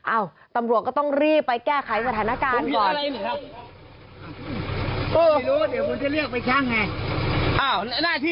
ตำรวจก็ต้องรีบไปแก้ไขสถานการณ์ก่อน